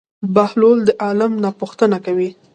بهلول د عالم نه پوښتنه کوي.